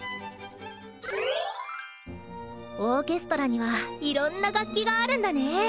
オーケストラにはいろんな楽器があるんだね。